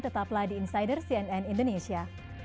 tetaplah di insider cnn indonesia